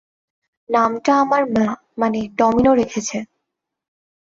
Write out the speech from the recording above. নামটা আমার মা, মানে, ডমিনো রেখেছে।